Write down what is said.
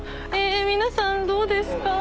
皆さんどうですか？